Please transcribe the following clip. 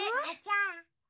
あちゃ。